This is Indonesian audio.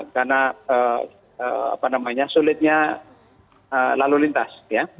karena sulitnya lalu lintas